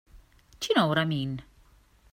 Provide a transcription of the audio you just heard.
Do you know what I mean?